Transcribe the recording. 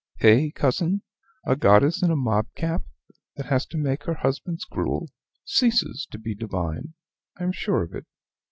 Eh! cousin, a goddess in a mob cap, that has to make her husband's gruel, ceases to be divine I am sure of it.